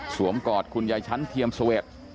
สวมกอดคุณยายชันเทียมสวรรค์